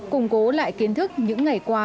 củng cố lại kiến thức những ngày qua